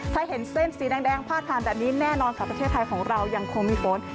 ถ้าเห็นเส้นสีแดงพาดผ่านแบบนี้แน่นอนค่ะประเทศไทยของเรายังคงมีฝน